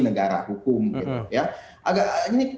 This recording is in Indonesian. negara hukum gitu